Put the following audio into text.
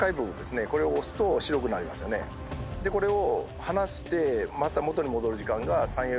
これを。